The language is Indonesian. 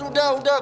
aduh udah udah